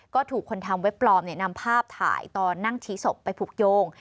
ก็ถูกคนทำเว็บปลอมนำภาพถ่ายตอนนั่งชี้ศพไปผูกโยง